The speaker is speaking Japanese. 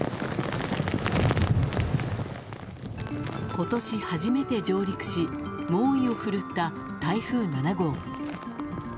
今年初めて上陸し猛威を振るった台風７号。